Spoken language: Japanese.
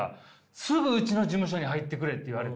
「すぐうちの事務所に入ってくれ」って言われて。